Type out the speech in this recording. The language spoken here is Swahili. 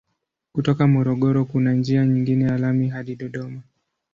Kutoka Morogoro kuna njia nyingine ya lami hadi Dodoma.